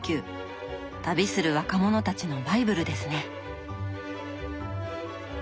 旅する若者たちのバイブルですね。